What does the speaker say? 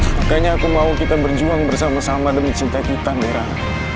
makanya aku mau kita berjuang bersama sama demi cinta kita merah